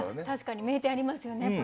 確かに名店ありますよね